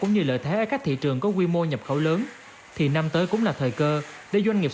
cũng như lợi thế ở các thị trường có quy mô nhập khẩu lớn thì năm tới cũng là thời cơ để doanh nghiệp